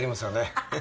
ハハハハ！